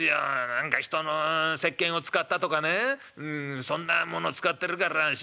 何か人のせっけんを使ったとかねそんなもの使ってるから仕事がまずいんだとかね